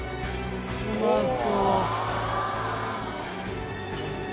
うまそう。